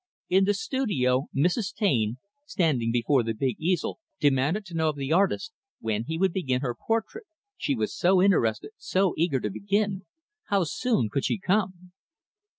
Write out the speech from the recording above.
In the studio, Mrs. Taine standing before the big easel demanded to know of the artist, when he would begin her portrait she was so interested, so eager to begin how soon could she come?